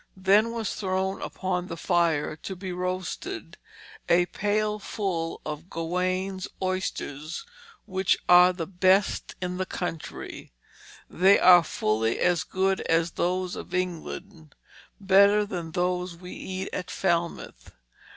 "Then was thrown upon the fire, to be roasted, a pail full of Gowanes oysters which are the best in the country. They are fully as good as those of England, better than those we eat at Falmouth.